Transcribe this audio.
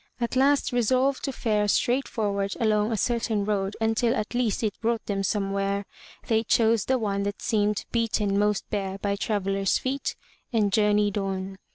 At last, resolved to fare straight forward along a certain road until at least it brought them somewhere, they chose the one that seemed beaten most bare by travellers* feet, and journeyed on.